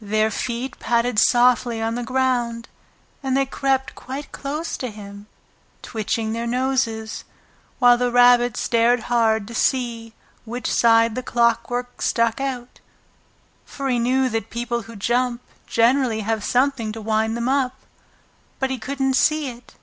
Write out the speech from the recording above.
Their feet padded softly on the ground, and they crept quite close to him, twitching their noses, while the Rabbit stared hard to see which side the clockwork stuck out, for he knew that people who jump generally have something to wind them up. But he couldn't see it.